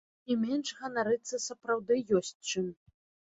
Тым не менш ганарыцца сапраўды ёсць чым.